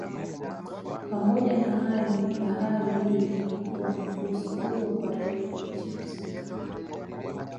Pamoja na hayo bahari hii imekuwa ni fursa kubwa kwa raia wa nchi husika